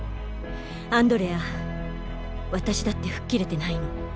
アンドレア私だって吹っ切れてないの。